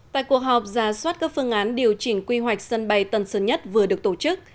tại cuộc họp ra soát các phương án điều chỉnh quy hoạch sân bay tân sơn nhất vừa được tổ chức